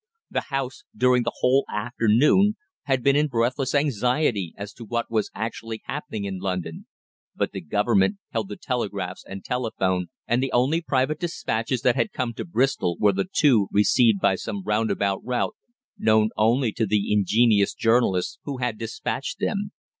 The House during the whole afternoon had been in breathless anxiety as to what was actually happening in London; but the Government held the telegraphs and telephone, and the only private despatches that had come to Bristol were the two received by some roundabout route known only to the ingenious journalists who had despatched them.